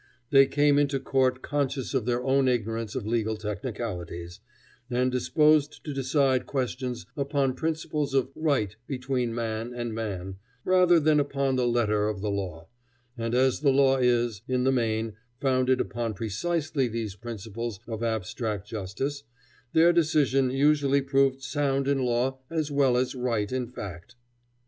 They came into court conscious of their own ignorance of legal technicalities, and disposed to decide questions upon principles of "right between man and man" rather than upon the letter of the law; and as the law is, in the main, founded upon precisely these principles of abstract justice, their decision usually proved sound in law as well as right in fact.